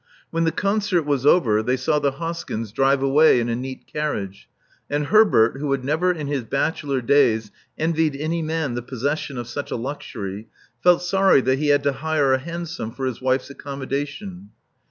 When the concert was over they saw the Hoskyns drive away in a neat carriage; and Herbert, who had never in his bachelor days envied any man the possession of such a luxury, felt sorry that he had to hire a hansom for his wife's accommo dation.